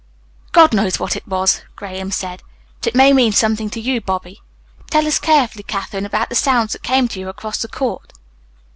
"God knows what it was," Graham said, "but it may mean something to you, Bobby. Tell us carefully, Katherine, about the sounds that came to you across the court."